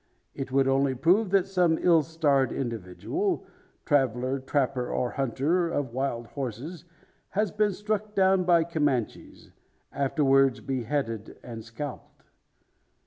It would only prove that some ill starred individual traveller, trapper, or hunter of wild horses has been struck down by Comanches; afterwards beheaded, and scalped.